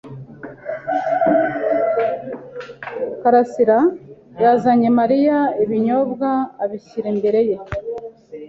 Karasirayazanye Mariya ibinyobwa abishyira imbere ye.